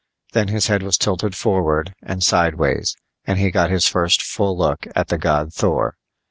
Then his head was tilted forward and sidewise, and he got his first full look at the god Thor.